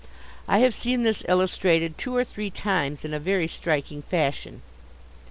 I have seen this illustrated two or three times in a very striking fashion.